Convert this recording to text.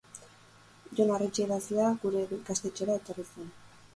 Jon Arretxe idazlea gure ikastetxera etorri zen.